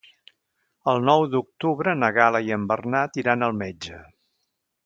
El nou d'octubre na Gal·la i en Bernat iran al metge.